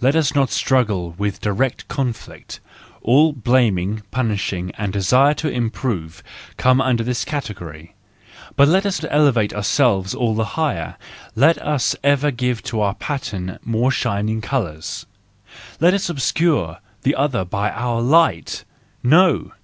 Let us not struggle in direct conflict!—all blaming, punishing, and desire to improve comes under this category. But let us elevate ourselves all the higher! Let us ever give to our pattern more shining colours! Let us obscure the other by our light! No